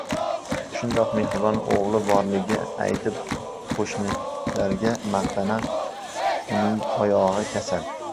Shundoq mehribon o‘g‘li borligini aytib qo‘shnilarga maqtanadi. Uning oyog‘i kasal.